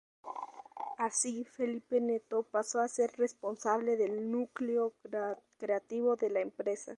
Así, Felipe Neto pasó a ser responsable del núcleo creativo de la empresa.